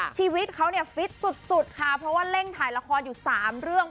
ชีวิตเขาเนี่ยฟิตสุดค่ะเพราะว่าเร่งถ่ายละครอยู่๓เรื่อง